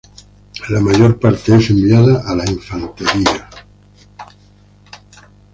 La mayor parte es enviada a la infantería.